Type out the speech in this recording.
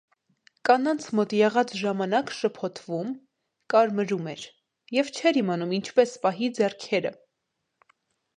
Կանանց մոտ եղած ժամանակ շփոթվում, կարմրում էր և չէր իմանում ինչպես պահի ձեռները: